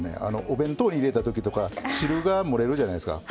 お弁当に入れた時とか汁が漏れるじゃないですか。